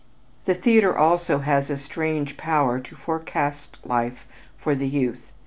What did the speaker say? The theater also has a strange power to forecast life for the youth.